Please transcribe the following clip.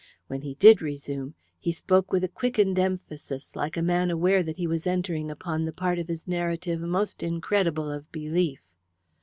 When he did resume he spoke with a quickened emphasis, like a man aware that he was entering upon the part of his narrative most incredible of belief.